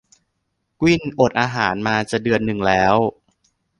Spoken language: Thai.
กวิ้นอดอาหารมาจะเดือนนึงแล้ว